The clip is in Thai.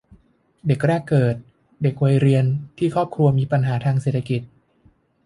เด็กแรกเกิด เด็กวัยเรียนที่ครอบครัวมีปัญหาทางเศรษฐกิจ